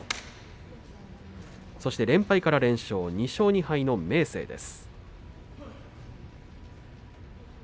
連敗から連勝２勝２敗の明生です。